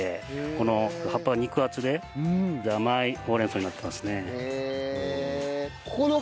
この葉っぱが肉厚で甘いほうれん草になっていますね。